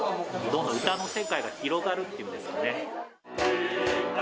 歌の世界が広がるっていうんですかね。